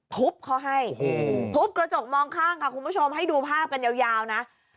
ทุบเขาให้ทุบกระจกมองข้างค่ะคุณผู้ชมให้ดูภาพกันยาวนะ